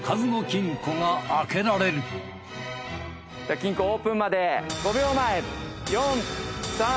金庫オープンまで５秒前。